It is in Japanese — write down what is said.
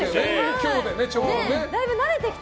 今日でちょうど。